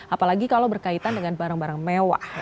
apalagi kalau berkaitan dengan barang barang mewah